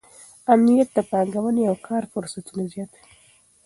امنیت د پانګونې او کار فرصتونه زیاتوي.